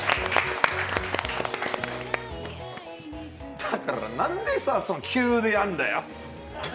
だから、なんでさ急でやんのよ！